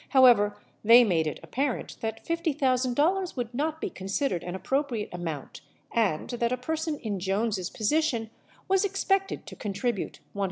How ever, they made it apparent that $50,000 would not be considered an appropriate amount and that a person in Jones' position was ex pected to contribute $100,000.